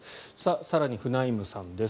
更に、フナイムさんです。